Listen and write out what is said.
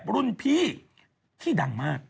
รุ่นพี่ที่ดังมาก